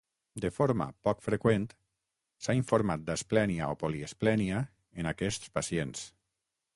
De forma poc freqüent, s'ha informat d'asplènia o poliesplènia en aquests pacients.